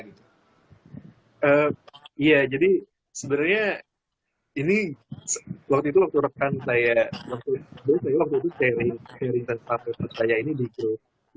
iya jadi sebenarnya ini waktu itu rekan saya waktu itu saya rinten rinten saya ini di grup saya